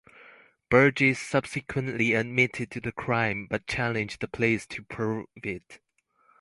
Burgess subsequently admitted to the crime but challenged the police to "prove it".